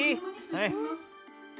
はい。